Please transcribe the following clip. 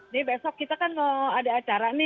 ini besok kita kan ada acara nih